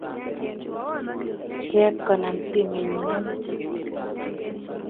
Kieet konam sime nyu amut